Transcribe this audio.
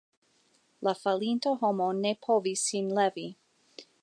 La falinta homo ne povis sin levi.